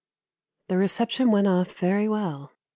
The reception went off very well.